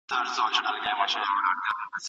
د غریب د بام څکک